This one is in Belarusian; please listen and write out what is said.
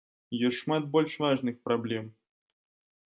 Ёсць шмат больш важных праблем.